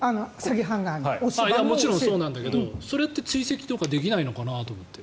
もちろん、そうなんだけどそれって追跡とかできないのかなって。